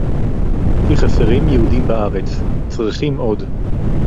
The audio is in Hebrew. כי חסרים יהודים בארץ, צריכים עוד